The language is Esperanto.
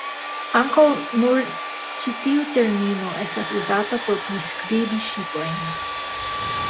Ankaŭ nur ĉi tiu termino estas uzata por priskribi ŝipojn.